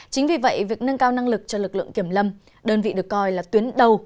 chính vì vậy việc nâng cao năng lực cho lực lượng kiểm lâm đơn vị được coi là tuyến đầu